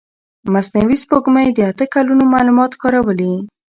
مصنوعي سپوږمکۍ د اته کلونو معلومات کارولي.